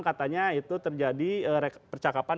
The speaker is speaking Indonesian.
katanya itu terjadi percakapan